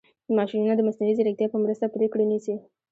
ماشینونه د مصنوعي ځیرکتیا په مرسته پرېکړې نیسي.